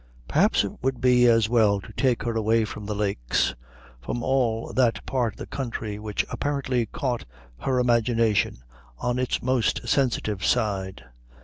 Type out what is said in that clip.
Perhaps it would be as well to take her away from the lakes, from all that part of the country which apparently caught her imagination on its most sensitive side.